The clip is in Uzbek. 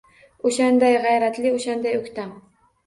O’shanday g’ayratli, o’shanday o’ktam.